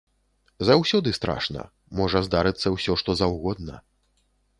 Заўсёды страшна, можа здарыцца ўсё што заўгодна.